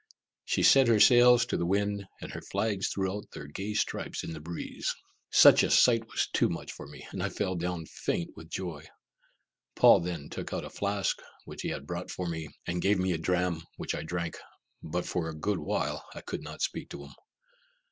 She set her sails to the wind, and her flags threw out their gay stripes in the breeze. Such a sight was too much for me, and I fell down faint with joy. Paul then took out a flask which he had brought for me, and gave me a dram, which I drank, but for a good while I could not speak to him.